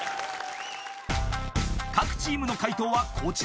［各チームの解答はこちら］